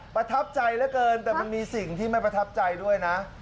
ประทับใจเหลือเกินแต่มันมีสิ่งที่ไม่ประทับใจด้วยนะ